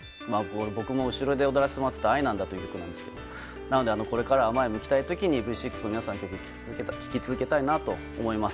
僕も後ろで躍らせてもあっていた「愛なんだ」という曲でこれからも前を向きたい時Ｖ６の皆さんの曲を聴き続けたいと思います。